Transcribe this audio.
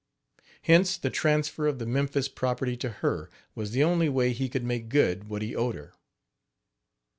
Hence the transfer of the Memphis property to her was the only way he could make good what he owed her.